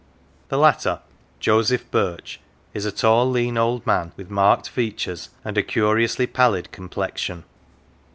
The latter, Joseph Birch, is a tall lean old man with marked features and a curiously pallid complexion.